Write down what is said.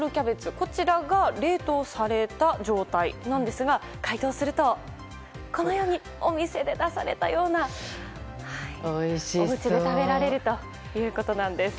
こちらが冷凍された状態なんですが解凍するとお店で出されたようなものがおうちで食べられるということです。